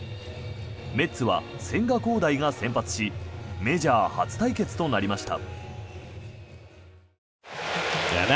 メッツは千賀滉大が先発しメジャー初対決となりました。